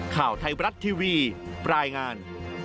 ข่าวไทยบรัฐทีวีรายงาน